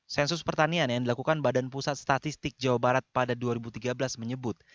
sensus pertanian yang dilakukan badan pusat statistik jawa barat pada dua ribu tiga belas menyebut